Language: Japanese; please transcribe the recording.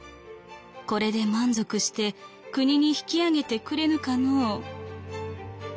これで満足して国に引き揚げてくれぬかのう？」。